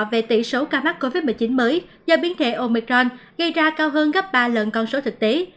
về tỷ số ca mắc covid một mươi chín mới do biến thể omicron gây ra cao hơn gấp ba lần con số thực tế